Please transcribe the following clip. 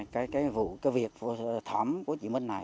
cái việc thỏm của chị minh này